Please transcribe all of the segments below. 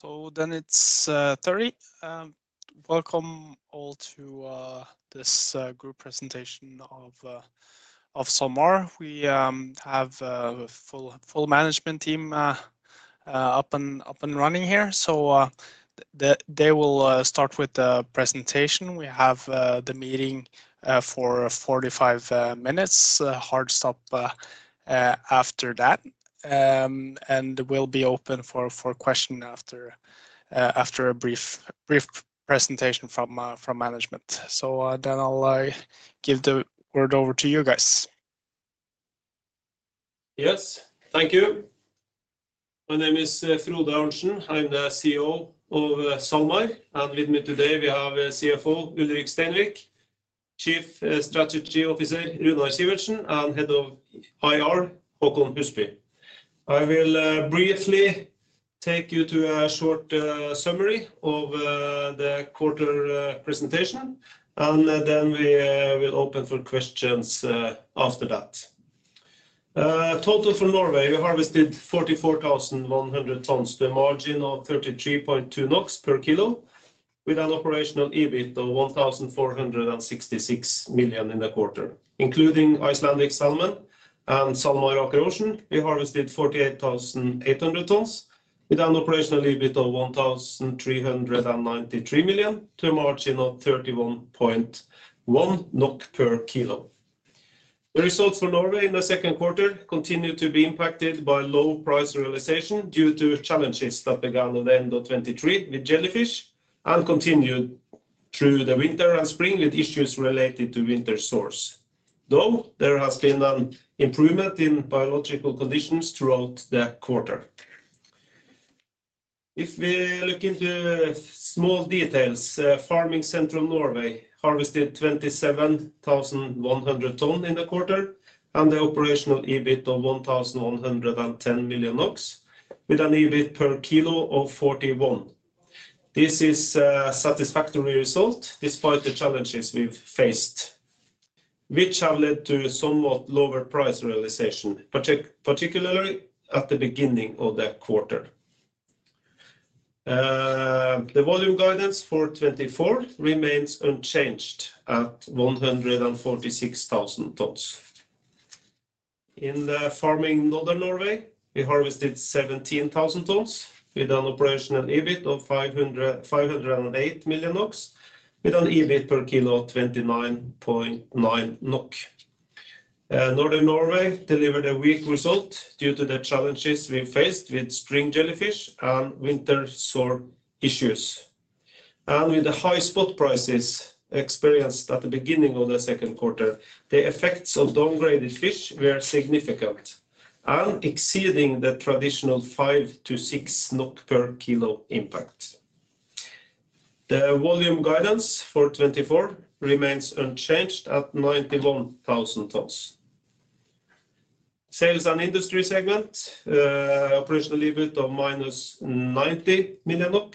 So then it's three. Welcome all to this group presentation of SalMar. We have full management team up and running here. So, they will start with the presentation. We have the meeting for 45 minutes. Hard stop after that. And we'll be open for questions after a brief presentation from management. So, then I'll give the word over to you guys. Yes, thank you. My name is Frode Arntsen. I'm the CEO of SalMar, and with me today we have our CFO, Ulrik Steinvik, Chief Strategy Officer Runar Sivertsen, and Head of HR, Håkon Husby. I will briefly take you to a short summary of the quarter presentation, and then we'll open for questions after that. Total from Norway, we harvested 44,100 tons to a margin of 33.2 NOK per kilo, with an operational EBIT of 1,466 million in the quarter. Including Icelandic Salmon and SalMar Ocean, we harvested 48,800 tons, with an operational EBIT of 1,393 million, to a margin of 31.1 NOK per kilo. The results for Norway in the second quarter continued to be impacted by low price realization due to challenges that began at the end of 2023 with jellyfish, and continued through the winter and spring with issues related to winter sore. Though, there has been an improvement in biological conditions throughout the quarter. If we look into small details, farming Central Norway harvested 27,100 tons in the quarter, and the operational EBIT of 1,110 million NOK, with an EBIT per kilo of 41. This is a satisfactory result, despite the challenges we've faced, which have led to somewhat lower price realization, particularly at the beginning of the quarter. The volume guidance for 2024 remains unchanged at 146,000 tons. In the farming in Northern Norway, we harvested 17,000 tons, with an operational EBIT of 508 million NOK, with an EBIT per kilo of 29.9 NOK. Northern Norway delivered a weak result due to the challenges we faced with string jellyfish and winter sore issues. With the high spot prices experienced at the beginning of the second quarter, the effects of downgraded fish were significant, exceeding the traditional 5-6 NOK per kilo impact. The volume guidance for 2024 remains unchanged at 91,000 tons. Sales and Industry segment, operational EBIT of -90 million.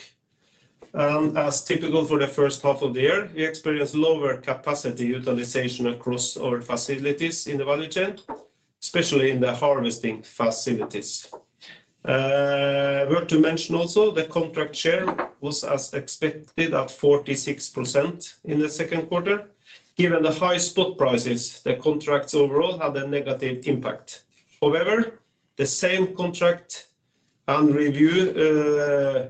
As typical for the first half of the year, we experienced lower capacity utilization across all facilities in the value chain, especially in the harvesting facilities. Worth to mention also, the contract share was as expected at 46% in the second quarter. Given the high spot prices, the contracts overall had a negative impact. However, the same contract and review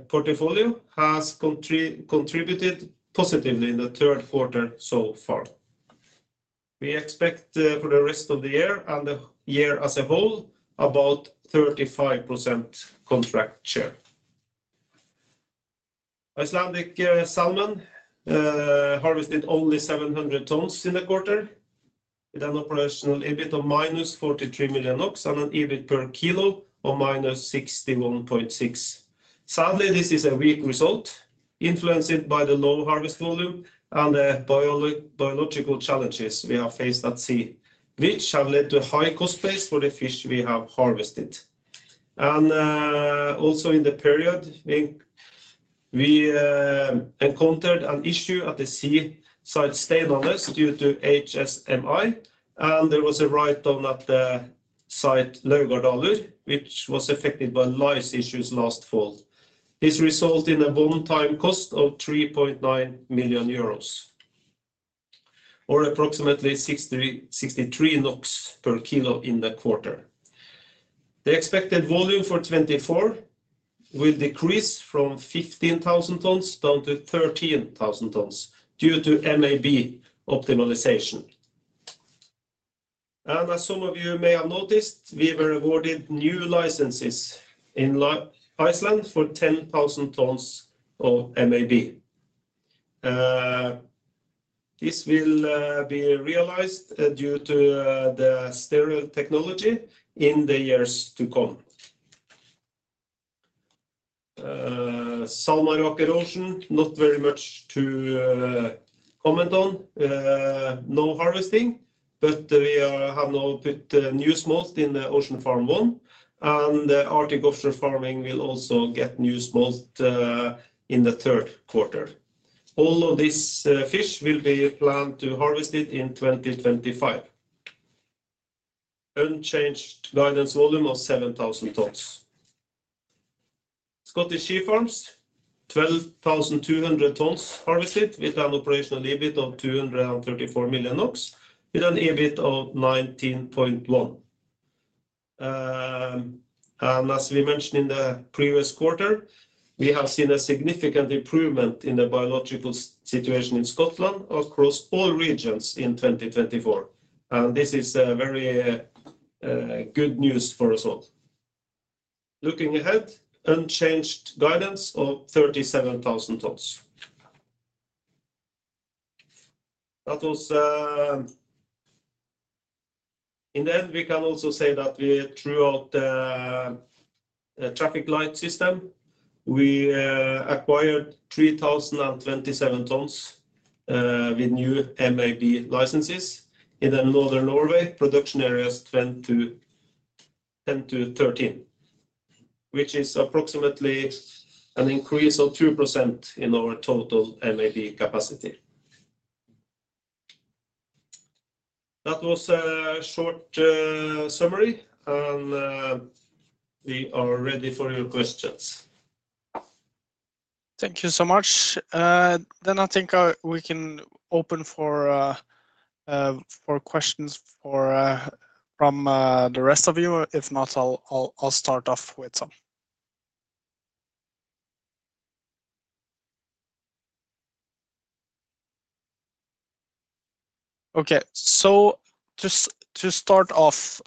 portfolio has contributed positively in the third quarter so far. We expect for the rest of the year and the year as a whole, about 35% contract share. Icelandic Salmon harvested only 700 tons in the quarter, with an operational EBIT of -43 million NOK and an EBIT per kilo of -61.6. Sadly, this is a weak result, influenced by the low harvest volume and the biological challenges we have faced at sea, which have led to high cost base for the fish we have harvested. Also in the period, we encountered an issue at the sea side stage on this due to HSMI, and there was a write-down at the site, Laugardalur, which was affected by lice issues last fall. This resulted in a one-time cost of 3.9 million euros, or approximately 63 NOK per kilo in the quarter. The expected volume for 2024 will decrease from 15,000 tons down to 13,000 tons due to MAB optimization. As some of you may have noticed, we were awarded new licenses in Iceland for 10,000 tons of MAB. This will be realized due to the stereo technology in the years to come. SalMar Aker Ocean, not very much to comment on. No harvesting, but we have now put new smolt in the Ocean Farm 1, and Arctic Offshore Farming will also get new smolt in the third quarter. All of this fish will be planned to be harvested in 2025. unchanged guidance volume of 7,000 tons. Scottish Sea Farms, 12,200 tons harvested with an operational EBIT of 234 million NOK, with an EBIT of 19.1. And as we mentioned in the previous quarter, we have seen a significant improvement in the biological situation in Scotland across all regions in 2024, and this is very good news for us all. Looking ahead, unchanged guidance of 37,000 tons. That was... In the end, we can also say that we threw out the traffic light system. We acquired 3,027 tons with new MAB licenses. In the Northern Norway, production areas 10 to 13, which is approximately an increase of 2% in our total MAB capacity. That was a short summary, and we are ready for your questions. Thank you so much. Then I think we can open for questions from the rest of you. If not, I'll start off with some. Okay. So just to start off,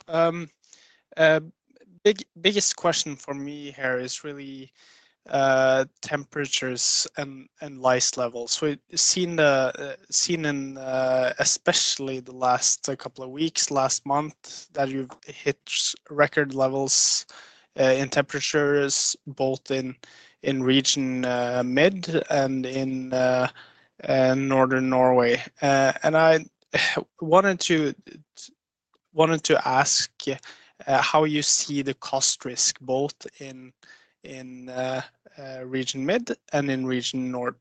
biggest question for me here is really temperatures and lice levels. We've seen in especially the last couple of weeks, last month, that you've hit record levels in temperatures, both in Region Mid and in Northern Norway. And I wanted to ask you how you see the cost risk, both in Region Mid and in Region North?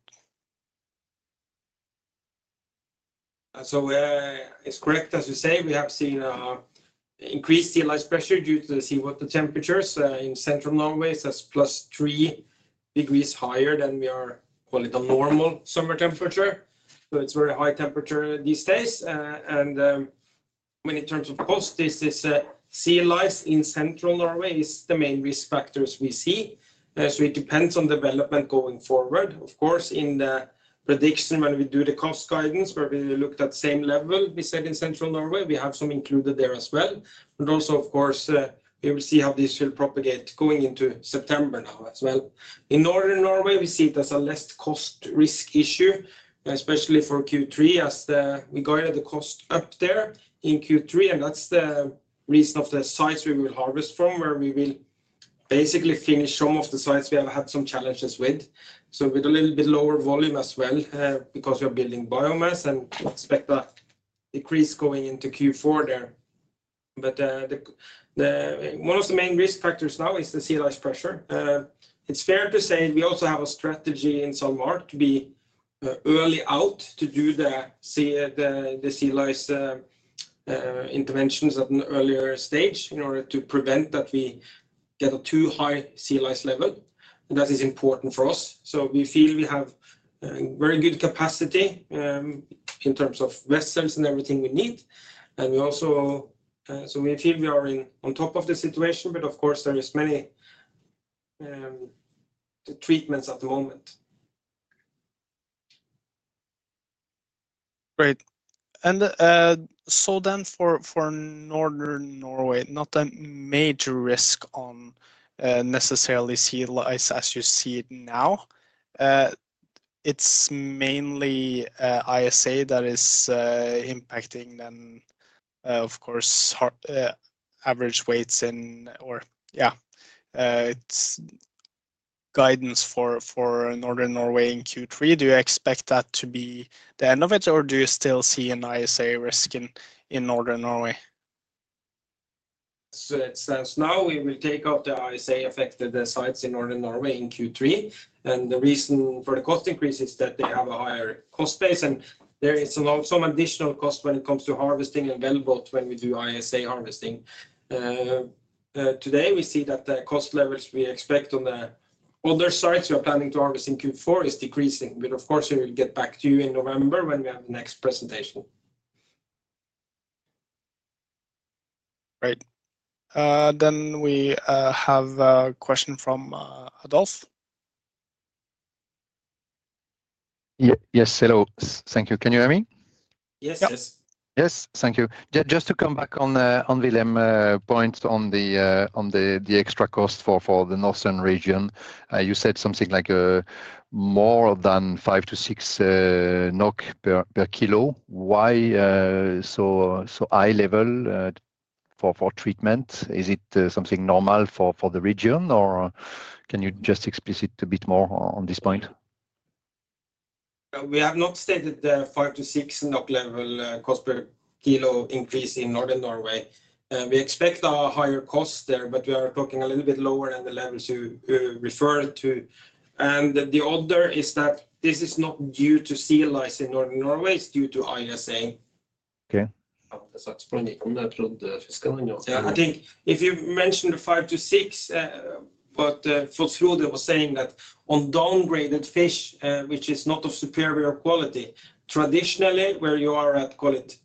So, it's correct, as you say, we have seen a increased sea lice pressure due to the sea water temperatures. In Central Norway, it's as plus three degrees higher than we are, call it a normal summer temperature. So it's very high temperature these days. And when in terms of cost, this is sea lice in Central Norway is the main risk factors we see. So it depends on development going forward. Of course, in the prediction, when we do the cost guidance, where we looked at same level we said in Central Norway, we have some included there as well. But also, of course, we will see how this will propagate going into September now as well. In Northern Norway, we see it as a less cost risk issue, especially for Q3, as the... We guided the cost up there in Q3, and that's the reason of the sites we will harvest from, where we will basically finish some of the sites we have had some challenges with. So with a little bit lower volume as well, because we are building biomass and expect a decrease going into Q4 there. But, one of the main risk factors now is the sea lice pressure. It's fair to say we also have a strategy in SalMar to be early out, to do the sea lice interventions at an earlier stage in order to prevent that we get a too high sea lice level. That is important for us. So we feel we have very good capacity in terms of vessels and everything we need. And we also, so we feel we are on top of the situation, but of course, there is many treatments at the moment. Great. And, so then for Northern Norway, not a major risk on necessarily sea lice as you see it now. It's mainly ISA that is impacting and, of course, average weights. It's guidance for Northern Norway in Q3, do you expect that to be the end of it, or do you still see an ISA risk in Northern Norway? We will take off the ISA-affected sites in Northern Norway in Q3, and the reason for the cost increase is that they have a higher cost base, and there is some additional cost when it comes to harvesting and wellboat when we do ISA harvesting. Today, we see that the cost levels we expect on the other sites we are planning to harvest in Q4 is decreasing. But of course, we will get back to you in November when we have the next presentation. Great. Then we have a question from Adolf. Yes, hello. Thank you. Can you hear me? Yes. Yeah. Yes. Yes, thank you. Just to come back on the Wilhelm point on the extra cost for the Northern region. You said something like more than 5-6 NOK per kilo. Why so high level for treatment? Is it something normal for the region, or can you just elaborate a bit more on this point? We have not stated the 5-6 NOK level, cost per kilo increase in Northern Norway. We expect a higher cost there, but we are talking a little bit lower than the levels you referred to, and the other is that this is not due to sea lice in Northern Norway, it's due to ISA. Okay. Yeah, I think if you mentioned the five to six, but, Frode was saying that on downgraded fish, which is not of superior quality, traditionally, where you are at, call it,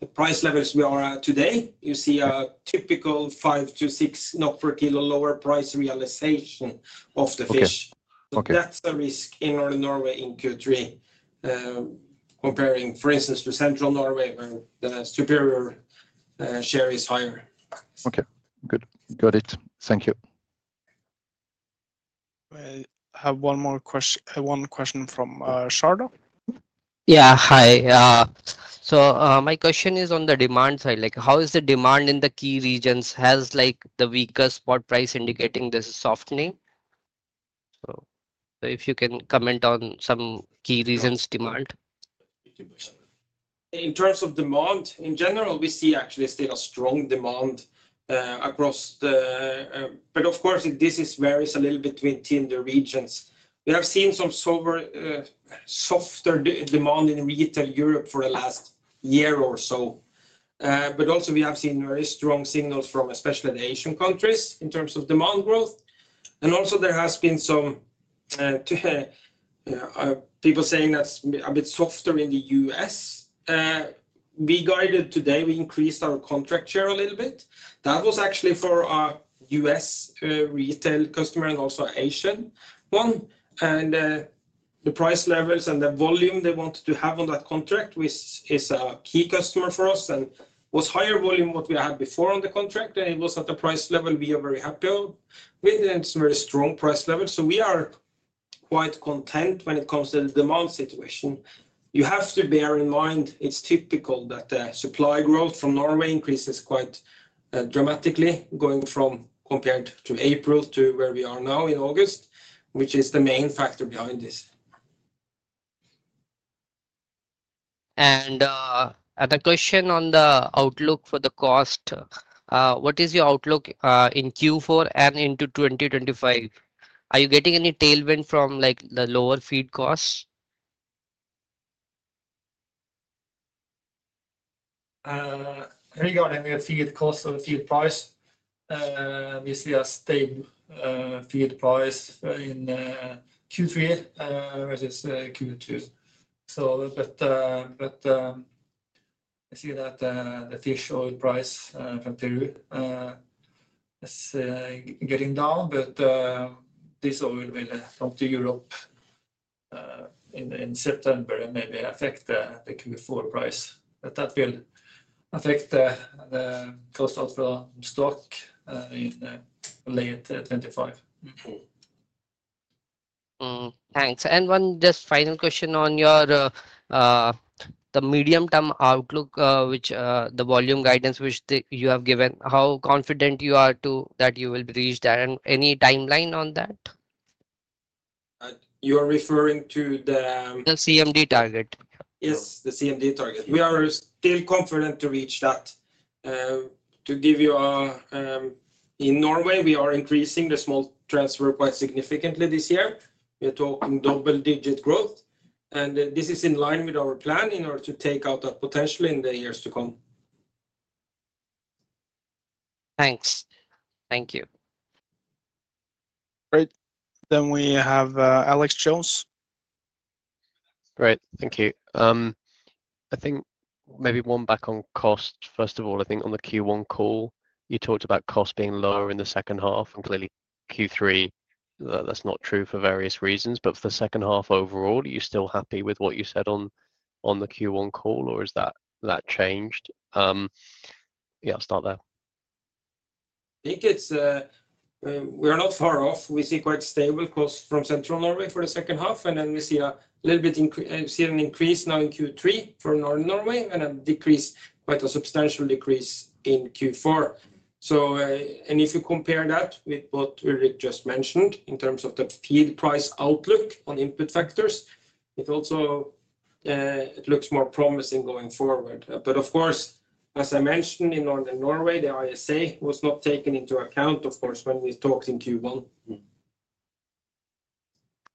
the price levels we are at today, you see a typical five to six NOK per kilo lower price realization of the fish. Okay. That's the risk in Northern Norway in Q3, comparing, for instance, to Central Norway, where the superior share is higher. Okay, good. Got it. Thank you. I have one more question from Sharda. Yeah, hi. So, my question is on the demand side. Like, how is the demand in the key regions? Has, like, the weaker spot price indicating there's a softening? So, if you can comment on some key regions' demand. In terms of demand, in general, we see actually still a strong demand across the, but of course, this varies a little between the regions. We have seen some somewhat softer demand in retail Europe for the last year or so, but also we have seen very strong signals from, especially the Asian countries, in terms of demand growth, and also there has been some people saying that's a bit softer in the U.S. We guided today, we increased our contract share a little bit. That was actually for our U.S. retail customer and also Asian one. And, the price levels and the volume they wanted to have on that contract, which is a key customer for us, and was higher volume what we had before on the contract, and it was at the price level we are very happy with, and it's very strong price level. So we are quite content when it comes to the demand situation. You have to bear in mind, it's typical that the supply growth from Norway increases quite, dramatically, going from compared to April to where we are now in August, which is the main factor behind this. Other question on the outlook for the cost. What is your outlook in Q4 and into 2025? Are you getting any tailwind from, like, the lower feed costs? Regarding the feed cost or the feed price, we see a stable feed price in Q3 versus Q2. So but, but, I see that the fish oil price from Peru is getting down, but this oil will come to Europe in September and maybe affect the Q4 price. But that will affect the cost of the stock in late 2025. Mm-hmm. Thanks. And one just final question on your the medium-term outlook, which the volume guidance which you have given, how confident you are that you will reach that, and any timeline on that? You are referring to the- The CMD target. Yes, the CMD target. We are still confident to reach that. In Norway, we are increasing the smolt transfer quite significantly this year. We are talking double-digit growth, and this is in line with our plan in order to take out that potential in the years to come. Thanks. Thank you. Great. Then we have Alex Jones. Great, thank you. I think maybe one back on cost. First of all, I think on the Q1 call, you talked about cost being lower in the second half, and clearly Q3, that's not true for various reasons. But for the second half overall, are you still happy with what you said on the Q1 call, or is that changed? Yeah, I'll start there. I think it's, we are not far off. We see quite stable costs from Central Norway for the second half, and then we see a little bit an increase now in Q3 for Northern Norway, and a decrease, quite a substantial decrease in Q4. So, and if you compare that with what Ulrik just mentioned in terms of the feed price outlook on input factors, it also, it looks more promising going forward. But of course, as I mentioned, in Northern Norway, the ISA was not taken into account, of course, when we talked in Q1.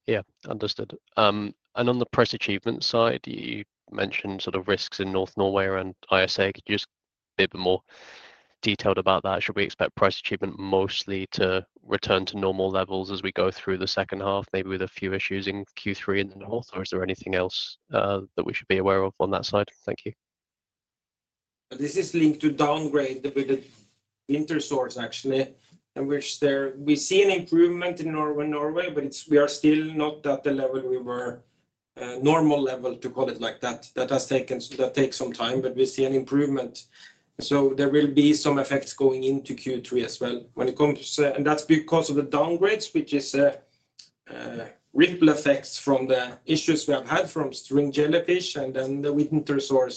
Yeah. Understood. And on the price achievement side, you mentioned sort of risks in North Norway and ISA. Could you just be a bit more detailed about that? Should we expect price achievement mostly to return to normal levels as we go through the second half, maybe with a few issues in Q3 in the North? Or is there anything else, that we should be aware of on that side? Thank you. This is linked to downgrade with the winter sore, actually, in which there we see an improvement in Northern Norway, but we are still not at the level we were, normal level, to call it like that. That takes some time, but we see an improvement, so there will be some effects going into Q3 as well. When it comes to, and that's because of the downgrades, which is ripple effects from the issues we have had from string jellyfish and then the winter sore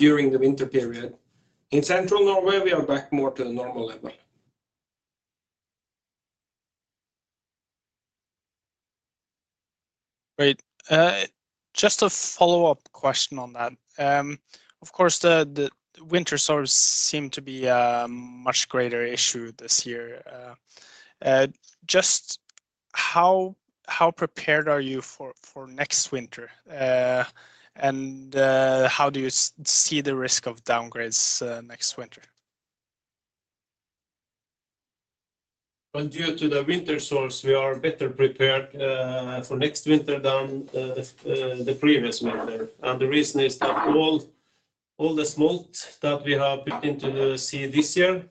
during the winter period. In Central Norway, we are back more to the normal level. Great. Just a follow-up question on that. Of course, the winter sore seemed to be a much greater issue this year. Just how prepared are you for next winter? And how do you see the risk of downgrades next winter? Due to the winter sore, we are better prepared for next winter than the previous winter. And the reason is that all the smolt that we have put into the sea this year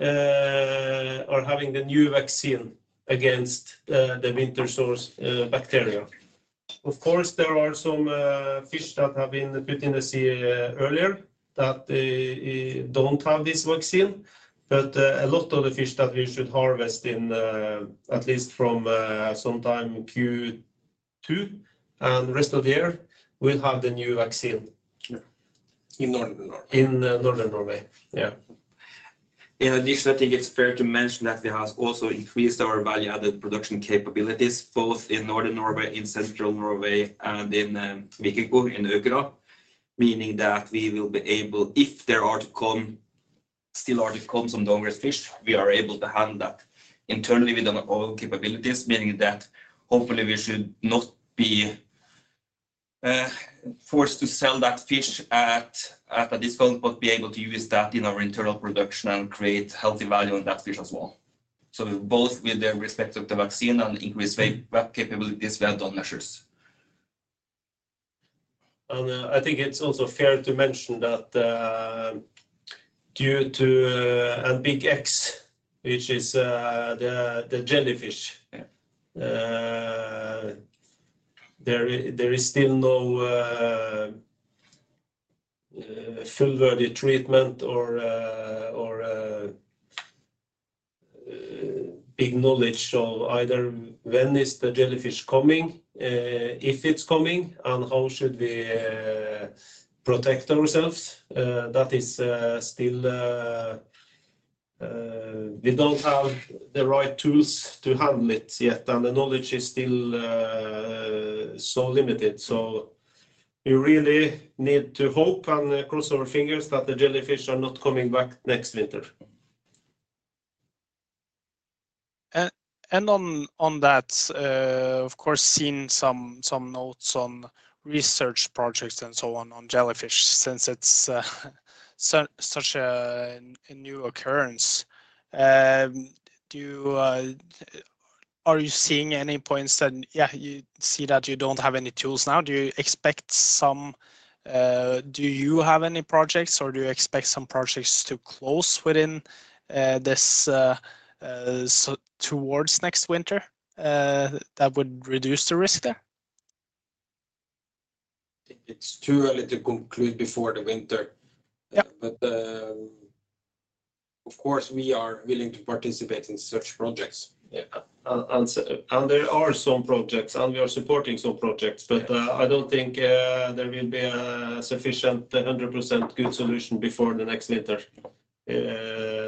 are having the new vaccine against the winter sore bacteria. Of course, there are some fish that have been put in the sea earlier that don't have this vaccine, but a lot of the fish that we should harvest in at least from sometime Q2, and the rest of the year will have the new vaccine. Yeah. In Northern Norway. In Northern Norway, yeah. In addition, I think it's fair to mention that we have also increased our value-added production capabilities, both in Northern Norway, in Central Norway, and in Vikenco, in Aukra. Meaning that we will be able, if there are to come, still are to come some downgraded fish, we are able to handle that internally with our own capabilities, meaning that hopefully we should not be forced to sell that fish at a discount, but be able to use that in our internal production and create healthy value in that fish as well. So both with the respect of the vaccine and increased value-added capabilities, well-done measures. I think it's also fair to mention that due to a big X, which is the jellyfish. Yeah there is still no full value treatment or big knowledge of either when is the jellyfish coming, if it's coming, and how should we protect ourselves? That is still we don't have the right tools to handle it yet, and the knowledge is still so limited, so we really need to hope and cross our fingers that the jellyfish are not coming back next winter. On that, of course, seen some notes on research projects and so on, on jellyfish, since it's such a new occurrence. Are you seeing any points that, yeah, you see that you don't have any tools now? Do you expect some, do you have any projects, or do you expect some projects to close within this so towards next winter, that would reduce the risk there? It's too early to conclude before the winter. Yeah. Of course, we are willing to participate in such projects. Yeah. And there are some projects, and we are supporting some projects. Yeah but, I don't think there will be a sufficient 100% good solution before the next winter.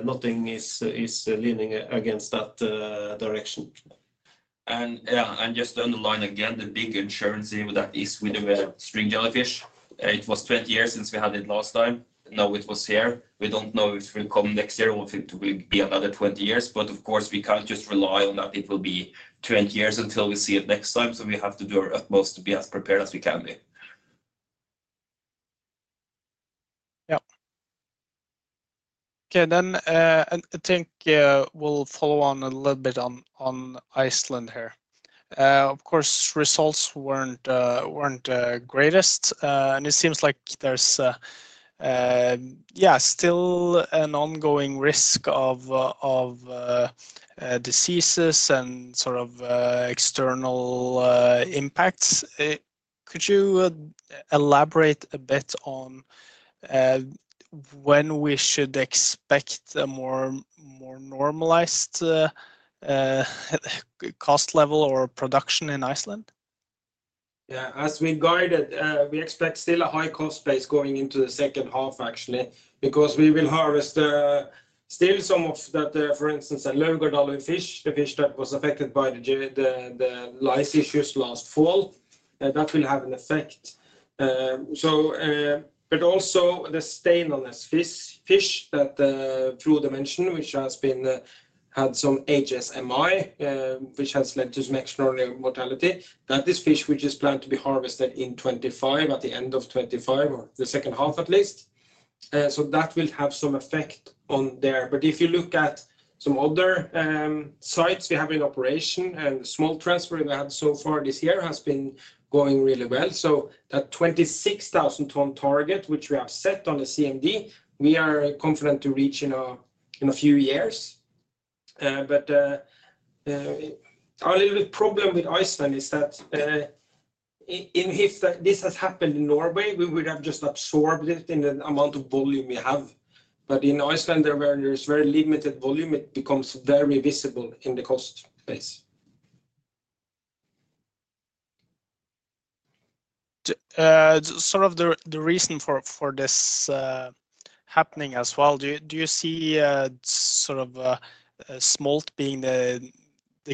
Nothing is leaning against that direction. Yeah, just to underline again, the big uncertainty that is with the spring jellyfish. It was 20 years since we had it last time. Now, it was here. We don't know if it will come next year or if it will be another 20 years, but of course, we can't just rely on that it will be 20 years until we see it next time, so we have to do our utmost to be as prepared as we can be. Yeah. Okay, then, and I think we'll follow on a little bit on Iceland here. Of course, results weren't greatest, and it seems like there's still an ongoing risk of diseases and sort of external impacts. Could you elaborate a bit on when we should expect a more normalized cost level or production in Iceland? Yeah. As we guided, we expect still a high cost base going into the second half, actually, because we will harvest still some of that, for instance, a lower quality fish, the fish that was affected by the lice issues last fall, that will have an effect. So but also the diseased fish, fish that through the season which has had some HSMI, which has led to some extraordinary mortality, that this fish we just planned to be harvested in 2025, at the end of 2025, or the second half at least. So that will have some effect on there, but if you look at some other sites we have in operation, and the smolt transfer we had so far this year has been going really well. That 26,000-ton target, which we have set on the CMD, we are confident to reach in a few years. Our only problem with Iceland is that if this has happened in Norway, we would have just absorbed it in the amount of volume we have. In Iceland, where there is very limited volume, it becomes very visible in the cost base. To sort of the reason for this happening as well, do you see sort of smolt being the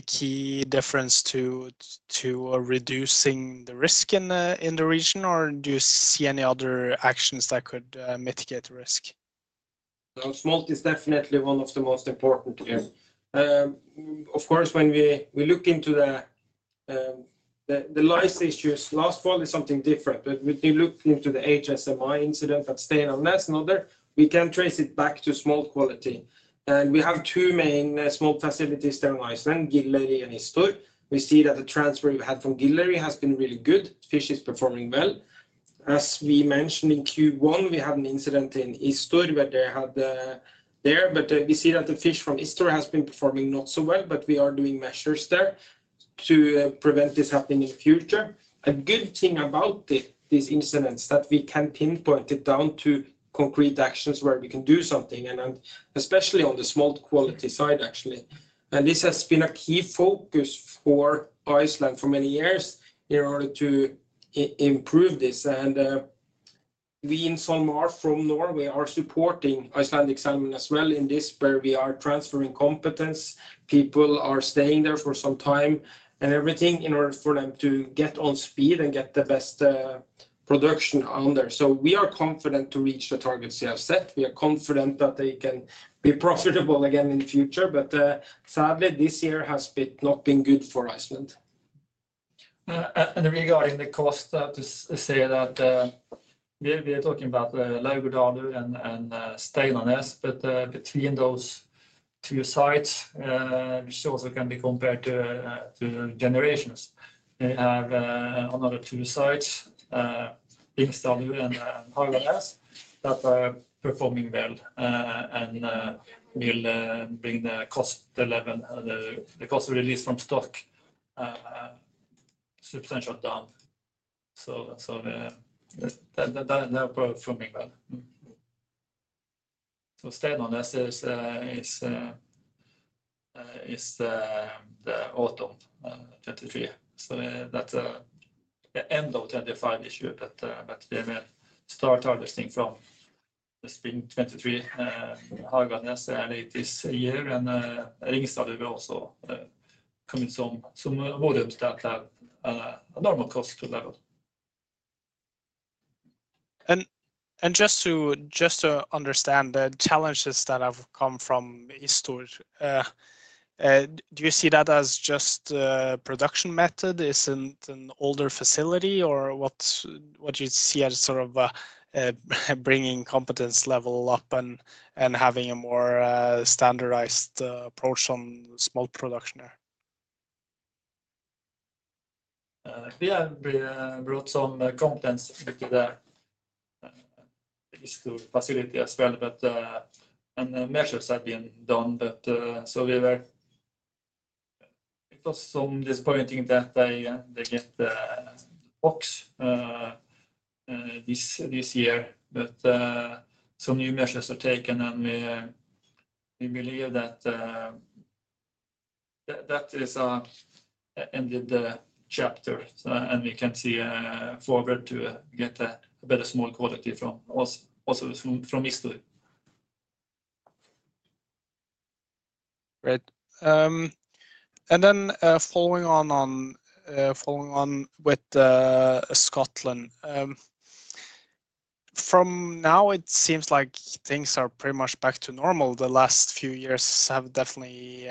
key difference to reducing the risk in the region, or do you see any other actions that could mitigate the risk? So smolt is definitely one of the most important here. Of course, when we look into the lice issues, last one is something different, but when we look into the HSMI incident to stay on this note there, we can trace it back to smolt quality. And we have two main smolt facilities there in Iceland, Gileyri and Ísþór. We see that the transfer we had from Gileyri has been really good. Fish is performing well. As we mentioned in Q1, we had an incident in Ísþór. We see that the fish from Ísþór has been performing not so well, but we are doing measures there to prevent this happening in the future. A good thing about these incidents, that we can pinpoint it down to concrete actions where we can do something, and especially on the smolt quality side, actually, and this has been a key focus for Iceland for many years in order to improve this, and we in SalMar from Norway are supporting Icelandic Salmon as well in this, where we are transferring competence. People are staying there for some time and everything in order for them to get on speed and get the best production on there, so we are confident to reach the targets we have set. We are confident that they can be profitable again in the future, but sadly, this year has not been good for Iceland. Regarding the cost, to say that we are talking about Laugardalur and Steinanes, but between those two sites, which also can be compared to generations. They have another two sites, Hringsdalur and Haganes that are performing well and will bring the cost level, the cost released from stock, substantially down. That they are performing well. Steinanes is the autumn 2023. That end of 2025 issue that we will start harvesting from the spring 2023, Haganes early this year, and Hringsdalur will also come in some volume that have normal cost level. Just to understand the challenges that have come from Ísþór, do you see that as just production method? Is it an older facility, or what do you see as sort of bringing competence level up and having a more standardized approach on smolt production there? We have brought some competence to the Ísþór facility as well, and measures have been done. It was disappointing that they get the box this year, but some new measures are taken, and we believe that has ended the chapter, and we can see forward to get a better smolt quality from us, also from Ísþór. Great. And then, following on with Scotland. From now, it seems like things are pretty much back to normal. The last few years have definitely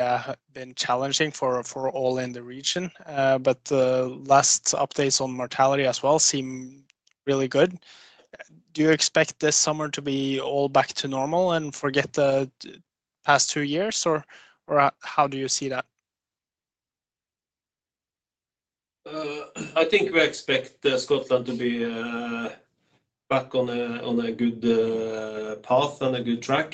been challenging for all in the region, but the last updates on mortality as well seem really good. Do you expect this summer to be all back to normal and forget the past two years, or how do you see that? I think we expect Scotland to be back on a good path and a good track.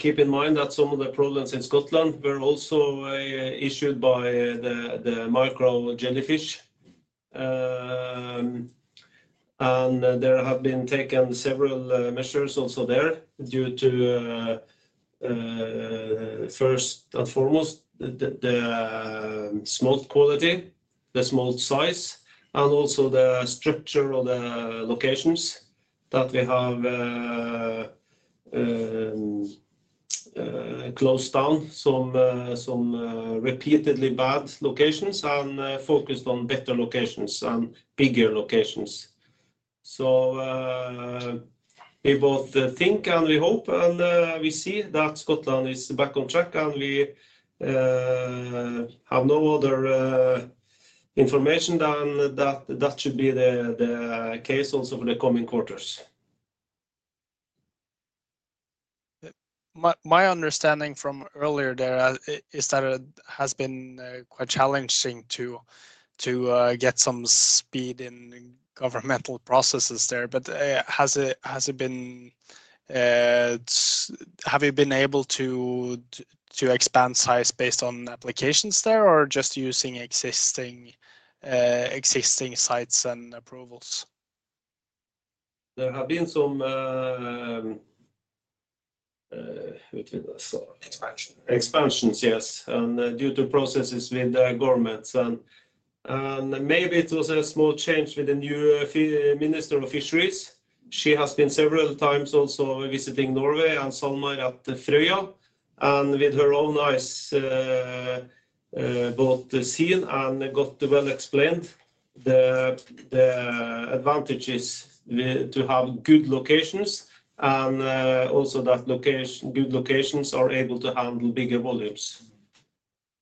Keep in mind that some of the problems in Scotland were also issued by the micro jellyfish. And there have been taken several measures also there due to first and foremost the smolt quality, the smolt size, and also the structure of the locations that we have closed down some repeatedly bad locations and focused on better locations and bigger locations. So we both think and we hope, and we see that Scotland is back on track, and we have no other information than that that should be the case also for the coming quarters. My understanding from earlier there is that it has been quite challenging to get some speed in governmental processes there, but has it been, have you been able to expand size based on applications there, or just using existing sites and approvals? There have been some expansion. Expansion. Expansions, yes, and due to processes with the governments, and maybe it was a small change with the new Minister of Fisheries. She has been several times also visiting Norway and SalMar at Frøya, and with her own eyes both the sea and got well explained the advantages with to have good locations, and also that location, good locations are able to handle bigger volumes.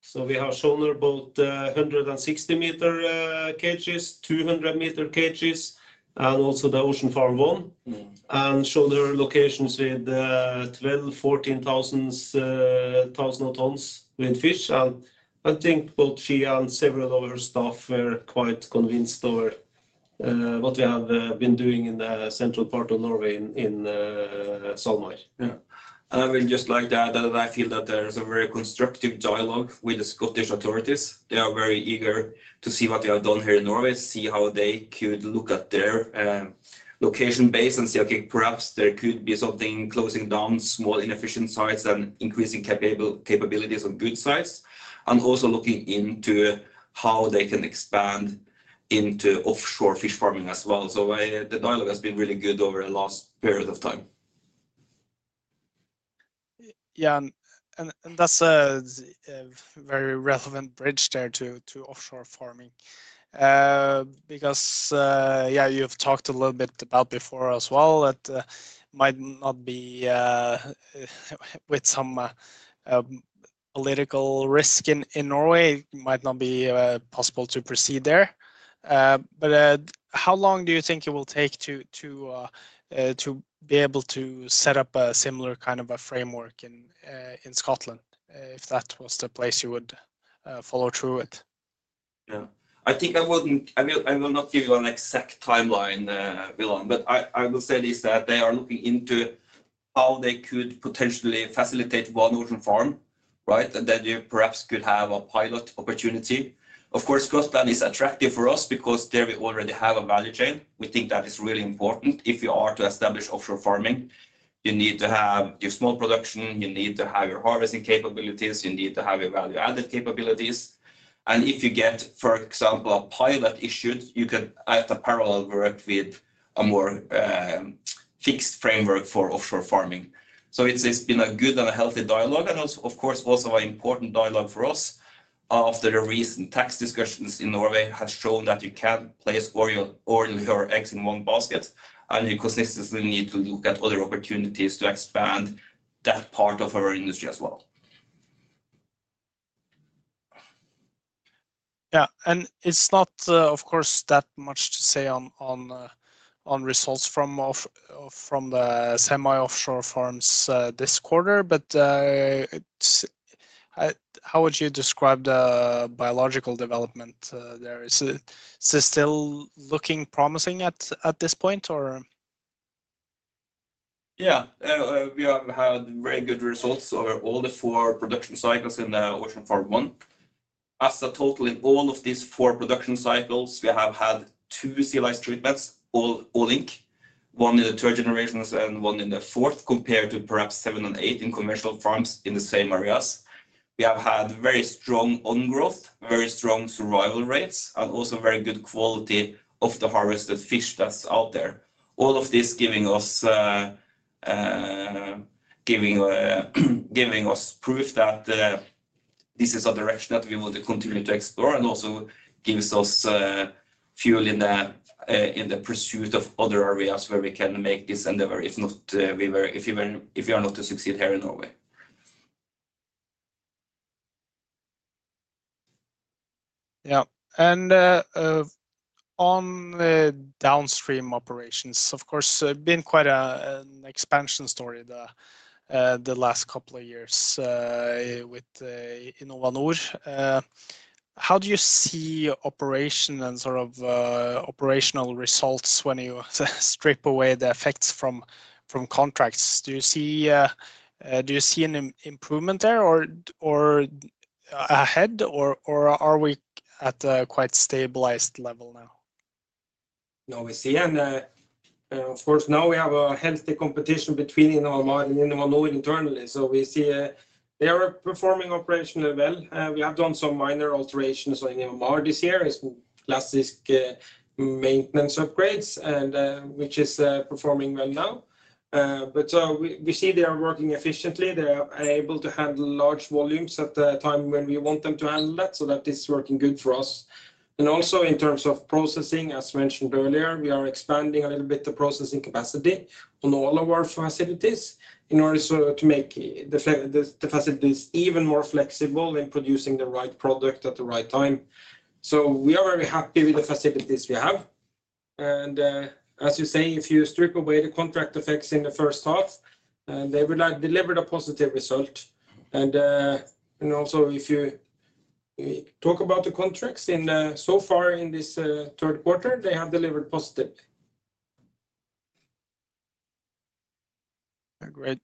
So we have shown her both 160-meter cages, 200-meter cages, and also the Ocean Farm 1. Mm. Show her locations with 12-14 thousand tons with fish. I think both she and several other staff were quite convinced over what we have been doing in the central part of Norway in SalMar. Yeah, and I will just like to add that I feel that there is a very constructive dialogue with the Scottish authorities. They are very eager to see what we have done here in Norway, see how they could look at their location base and say, "Okay, perhaps there could be something closing down small, inefficient sites and increasing capabilities on good sites." And also looking into how they can expand into offshore fish farming as well. So I, the dialogue has been really good over the last period of time. Yeah, and that's a very relevant bridge there to offshore farming. Because, yeah, you've talked a little bit about before as well, that might not be with some political risk in Norway, might not be possible to proceed there. But how long do you think it will take to be able to set up a similar kind of a framework in Scotland, if that was the place you would follow through with? Yeah. I will not give you an exact timeline, Bill, but I will say this, that they are looking into how they could potentially facilitate one ocean farm, right? And then you perhaps could have a pilot opportunity. Of course, Scotland is attractive for us because there we already have a value chain. We think that is really important. If you are to establish offshore farming, you need to have your smolt production, you need to have your harvesting capabilities, you need to have your value-added capabilities. And if you get, for example, a pilot issued, you can in parallel work with a more fixed framework for offshore farming. So it's been a good and a healthy dialogue, and also, of course, also an important dialogue for us. After the recent tax discussions in Norway has shown that you can't place all your, all your eggs in one basket, and you consistently need to look at other opportunities to expand that part of our industry as well. Yeah, and it's not, of course, that much to say on results from the semi-offshore farms this quarter, but it's how would you describe the biological development there? Is it still looking promising at this point, or? Yeah. We have had very good results over all the four production cycles in the Ocean Farm 1. As a total in all of these four production cycles, we have had two sea lice treatments, one in the third generations and one in the fourth, compared to perhaps seven and eight in commercial farms in the same areas. We have had very strong on growth, very strong survival rates, and also very good quality of the harvested fish that's out there. All of this giving us proof that this is a direction that we want to continue to explore, and also gives us fuel in the pursuit of other areas where we can make this endeavor, if not, even if we are not to succeed here in Norway. Yeah. And on the downstream operations, of course, been quite an expansion story the last couple of years, with InnovaNord. How do you see operation and sort of operational results when you strip away the effects from contracts? Do you see an improvement there, or ahead, or are we at a quite stabilized level now? Now we see, and, of course, now we have a healthy competition between InnovaMar and InnovaNord internally. So we see, they are performing operationally well, and we have done some minor alterations on InnovaMar this year, which is classic maintenance upgrades, and which is performing well now. But we see they are working efficiently. They are able to handle large volumes at the time when we want them to handle that, so that is working good for us. And also in terms of processing, as mentioned earlier, we are expanding a little bit the processing capacity on all of our facilities in order so to make the facilities even more flexible in producing the right product at the right time. So we are very happy with the facilities we have. And, as you say, if you strip away the contract effects in the first half, they would have delivered a positive result. And also, if you talk about the contracts in so far in this third quarter, they have delivered positive. Great.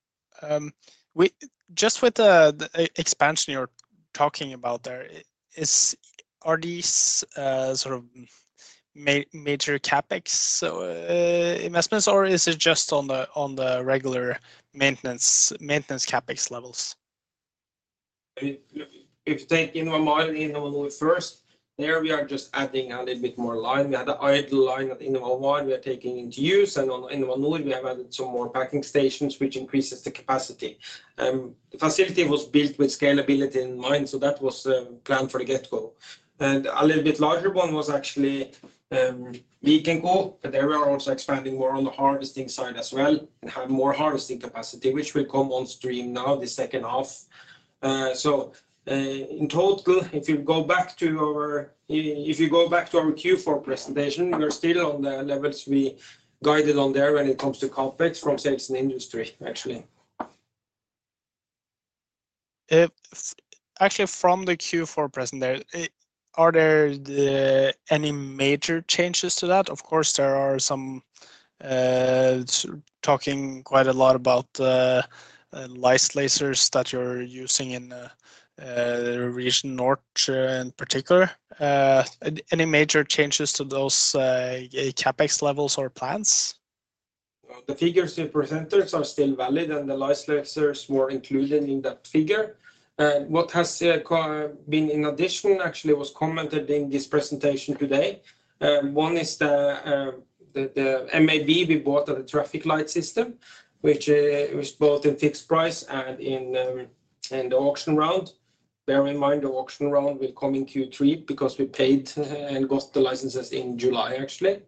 Just with the expansion you're talking about there, are these sort of major CapEx investments, or is it just on the regular maintenance CapEx levels? If you take InnovaMar and InnovaNord first, there we are just adding a little bit more line. We had the idle line at InnovaMar we are taking into use, and on InnovaNord we have added some more packing stations, which increases the capacity. The facility was built with scalability in mind, so that was planned from the get-go. And a little bit larger one was actually a week ago, but there we are also expanding more on the harvesting side as well, and have more harvesting capacity, which will come on stream now the second half. So, in total, if you go back to our Q4 presentation, we are still on the levels we guided on there when it comes to CapEx from sales and industry, actually. Actually, from the Q4 presentation, are there any major changes to that? Of course, there are some, talking quite a lot about the lice lasers that you're using in the Region North, in particular. Any major changes to those CapEx levels or plans? The figures we presented are still valid, and the lice lasers were included in that figure. What has been in addition actually was commented in this presentation today. One is the MAB we bought at the traffic light system, which was bought in fixed price and in the auction round. Bear in mind, the auction round will come in Q3 because we paid and got the licenses in July, actually,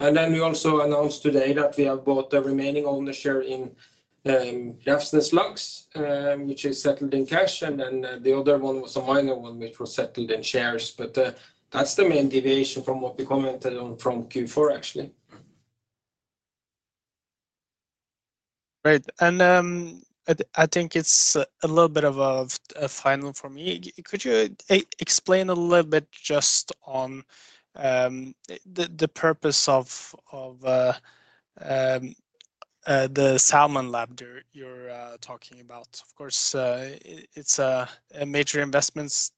and then we also announced today that we have bought the remaining owner share in Refneslaks, which is settled in cash, and then the other one was a minor one, which was settled in shares, but that's the main deviation from what we commented on from Q4, actually. Great. And, I think it's a little bit of a final for me. Could you explain a little bit just on the purpose of the Salmon Lab you're talking about? Of course, it's a major investments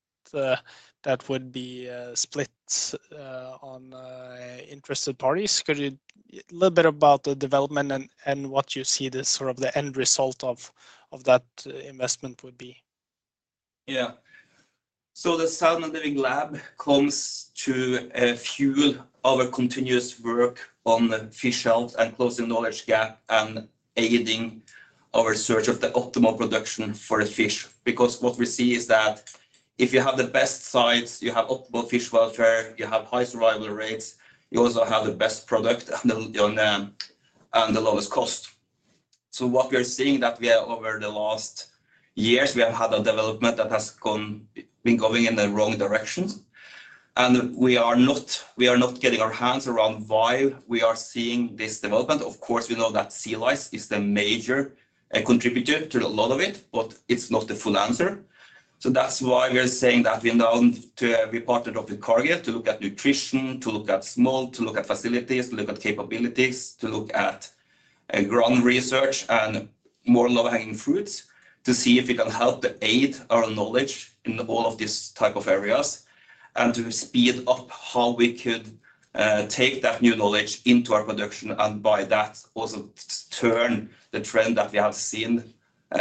that would be split on interested parties. Could you... Little bit about the development and what you see the sort of the end result of that investment would be? Yeah. So the Salmon Living Lab comes to fuel our continuous work on the fish health and closing knowledge gap, and aiding our search of the optimal production for the fish. Because what we see is that if you have the best sites, you have optimal fish welfare, you have high survival rates, you also have the best product and the lowest cost. So what we are seeing that we are over the last years, we have had a development that has been going in the wrong directions, and we are not getting our hands around why we are seeing this development. Of course, we know that sea lice is the major contributor to a lot of it, but it's not the full answer. That's why we are saying that we now have a partner with Cargill, to look at nutrition, to look at smolt, to look at facilities, to look at capabilities, to look at ground research and more low-hanging fruits, to see if it can help to aid our knowledge in all of these type of areas, and to speed up how we could take that new knowledge into our production, and by that, also turn the trend that we have seen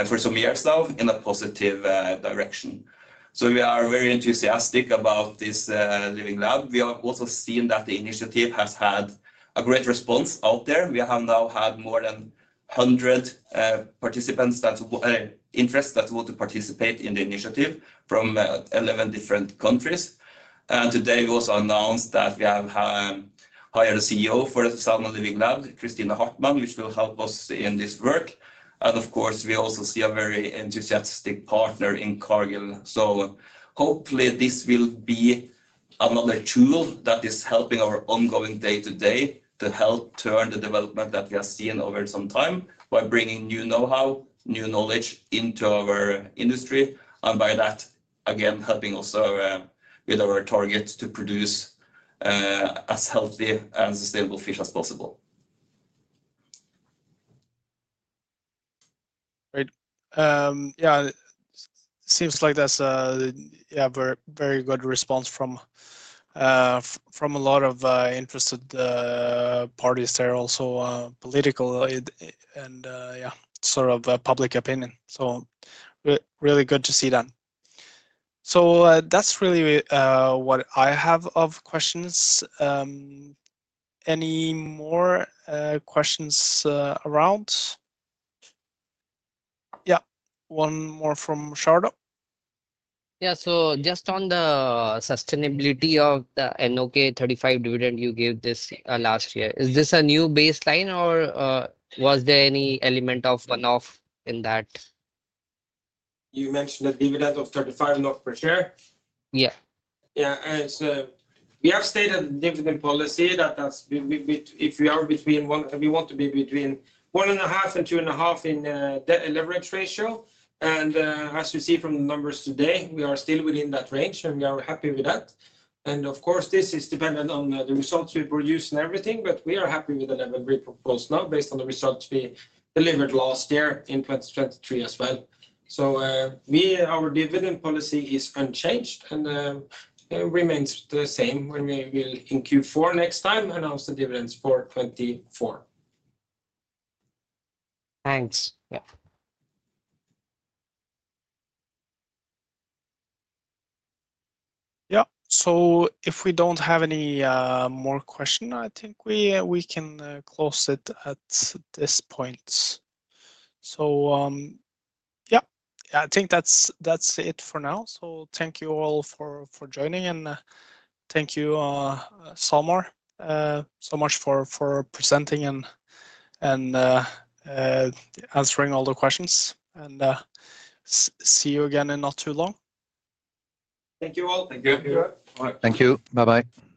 for some years now in a positive direction. We are very enthusiastic about this Living Lab. We have also seen that the initiative has had a great response out there. We have now had more than 100 participants that are interested that want to participate in the initiative from eleven different countries. And today we also announced that we have hired a CEO for the Salmon Living Lab, Kristine Hartmann, which will help us in this work. And of course, we also see a very enthusiastic partner in Cargill. So hopefully, this will be another tool that is helping our ongoing day-to-day, to help turn the development that we have seen over some time by bringing new know-how, new knowledge into our industry, and by that, again, helping also with our target to produce as healthy and sustainable fish as possible. Great. Yeah, seems like that's yeah, very, very good response from a lot of interested parties there, also political and yeah, sort of public opinion, so really good to see that, so that's really what I have of questions. Any more questions around? Yeah, one more from Sharda. Yeah. Just on the sustainability of the NOK 35 dividend you gave this last year, is this a new baseline or was there any element of one-off in that? You mentioned a dividend of 35 per share? Yeah. Yeah. And so we have stated the dividend policy. If we are between one- we want to be between one and a half and two and a half in debt and leverage ratio. And as you see from the numbers today, we are still within that range, and we are happy with that. And of course, this is dependent on the results we produce and everything, but we are happy with the level we propose now, based on the results we delivered last year in 2023 as well. So we, our dividend policy is unchanged, and remains the same when we will in Q4 next time announce the dividends for 2024. Thanks. Yeah. Yeah. So if we don't have any more question, I think we can close it at this point. So, yeah. I think that's it for now. So thank you all for joining, and thank you, SalMar, so much for presenting and answering all the questions. And see you again in not too long. Thank you, all. Thank you. Thank you. Bye-bye. Bye-bye.